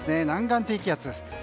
南岸低気圧です。